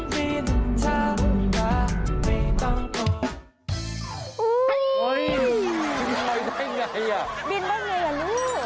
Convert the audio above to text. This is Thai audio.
บินได้อย่างไรล่ะลูก